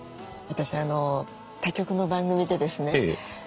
私他局の番組でですね